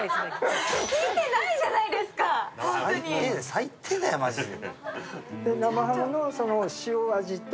最低だよ、マジで。